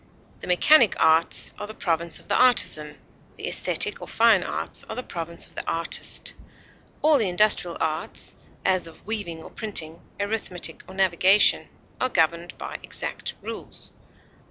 The mechanic arts are the province of the artisan, the esthetic or fine arts are the province of the artist; all the industrial arts, as of weaving or printing, arithmetic or navigation, are governed by exact rules.